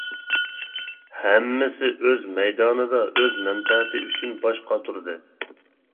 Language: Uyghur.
ھەممىسى ئۆز مەيدانىدا ئۆز مەنپەئەتى ئۈچۈن باش قاتۇردى.